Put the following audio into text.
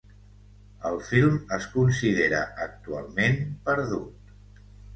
El film es considera actualment perdut.